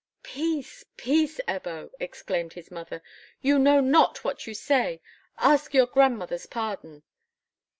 "Peace, peace, Ebbo," exclaimed his mother; "you know not what you say. Ask your grandmother's pardon."